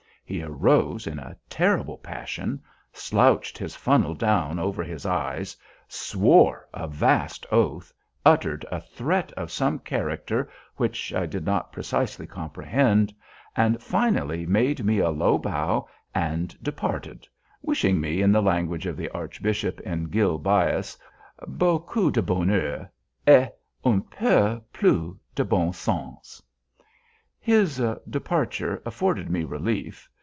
He arose in a terrible passion, slouched his funnel down over his eyes, swore a vast oath, uttered a threat of some character, which I did not precisely comprehend, and finally made me a low bow and departed, wishing me, in the language of the archbishop in "Gil Bias," beaucoup de bonheur et un peu plus de bon sens. His departure afforded me relief.